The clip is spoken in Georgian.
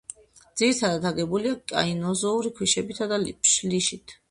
ძირითადად აგებულია კაინოზოური ქვიშაქვებითა და ფლიშით.